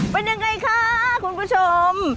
เป็นยังไงคะคุณผู้ชม